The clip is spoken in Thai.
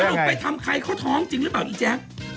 สรุปไปทำไข่เขาท้องจริงหรือเปล่าอีแจ๊ก